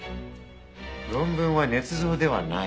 論文は捏造ではない。